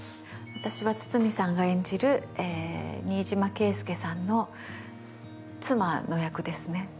私は堤さんが演じる新島圭介さんの妻の役ですね。